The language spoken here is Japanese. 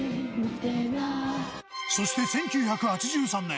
そして１９８３年。